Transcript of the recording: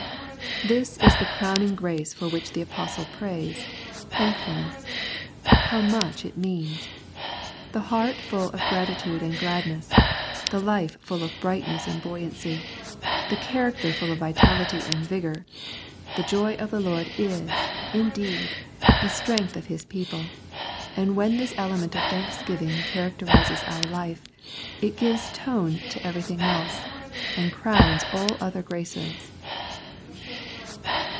^'' This is the crowning grace for which the Apostle prays — thankfulness. How much it means. The heart full of gratitude and gladness, the life full of brightness and buoyancy, the character full of vitality and vigour. The joy 67 The Prayers of St. Paul of the Lord is, indeed, the strength of His people, and when this element of thanks giving characterises our life, it gives tone to everything else, and crovi^ns all other graces.